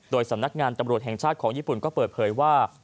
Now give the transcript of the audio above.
โดยสำนักงานตำรวจแห่งชาติของญี่ปุ่นก็เปิดเผยว่า